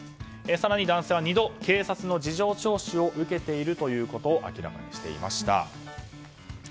更に男性は２度、警察の事情聴取を受けていることを明らかにしていました。